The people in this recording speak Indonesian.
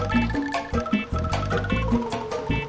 pintu pangkernya nganter